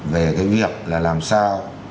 về cái việc là làm sao